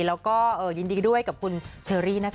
แล้วก็ยินดีด้วยกับคุณเชอรี่นะคะ